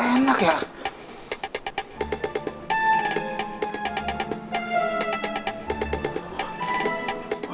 kok rasanya gak enak ya